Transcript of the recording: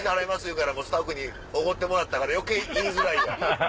言うからスタッフにおごってもらったから余計言いづらい。